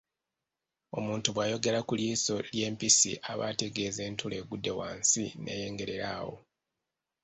Omuntu bw’ayogera ku liiso ly’empisi aba ategeeza entula egudde wansi neyengerera awo.